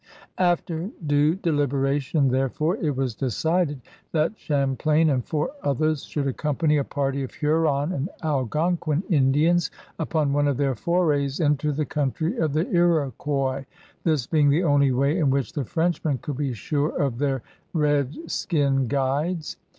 After due ddiberation, therefore, it was decided that Champlain and four others should accompany a party of Hunm and Algon quin Indians upon one of their forays into the country of the Iroquois, this being the only way in which the Frenchmen could be sure of their red skin guides.